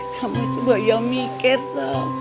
kamu tuh baya mikir tuh